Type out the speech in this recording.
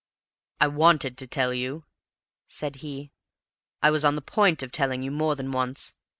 "I wanted to tell you," said he. "I was on the point of telling you more than once.